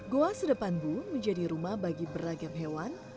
goa sedepan bu menjadi rumah bagi beragam hewan